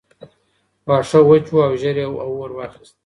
واښه وچ وو او ژر یې اور واخیست.